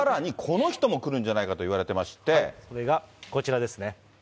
さらにこの人も来るんじゃないかそれがこちらですね。